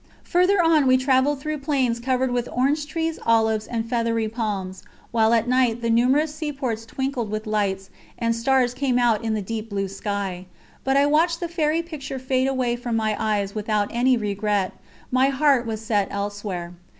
Farther on we travelled through plains covered with orange trees, olives, and feathery palms, while at night the numerous seaports twinkled with lights, and stars came out in the deep blue sky. But I watched the fairy picture fade away from my eyes without any regret my heart was set elsewhere.